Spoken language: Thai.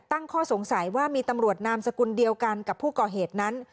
ตั้งข้อสงสัยว่ามีตำรวจนามสกุลเดียวกันกับผู้ก่อเหตุนั้น